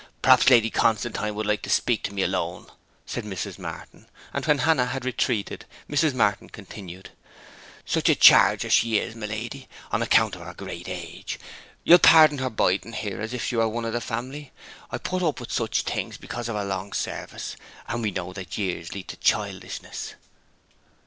Perhaps Lady Constantine would like to speak to me alone,' said Mrs. Martin. And when Hannah had retreated Mrs. Martin continued: 'Such a charge as she is, my lady, on account of her great age! You'll pardon her biding here as if she were one of the family. I put up with such things because of her long service, and we know that years lead to childishness.'